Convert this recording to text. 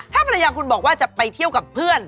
ถ้าภรรยาคุณบอกว่าจะไปเที่ยวกับเพื่อน